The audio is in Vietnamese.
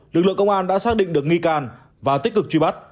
lực lượng công an đã xác định được nghi can và tích cực truy bắt